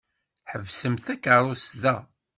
Ḥebsemt takeṛṛust da!